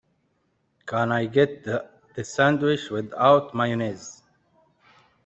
Can I get the sandwich without mayonnaise?